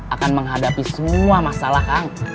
akan menghadapi semua masalah kamu